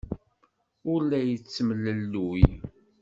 Ur la yettemlelluy.